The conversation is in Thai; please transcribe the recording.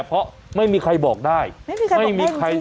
เพราะไม่มีใครบอกได้ไม่มีใครบอกได้ดูจริง